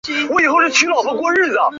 标津线。